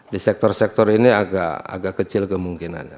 di sektor sektor ini agak kecil kemungkinannya